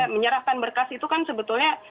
menyerahkan berkas itu kan sebetulnya